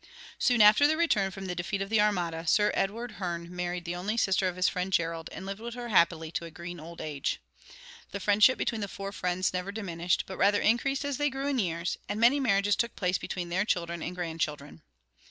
Soon after their return from the defeat of the armada, Sir Edward Hearne married the only sister of his friend Gerald, and lived with her happily to a green old age. The friendship between the four friends never diminished, but rather increased as they grew in years, and many marriages took place between their children and grandchildren.